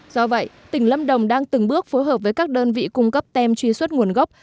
do vậy tỉnh lâm đồng đang từng bước phối hợp với các đơn vị cung cấp tem truy xuất nguồn gốc